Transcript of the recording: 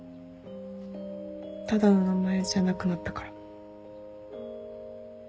ただの名前じゃなくなったから。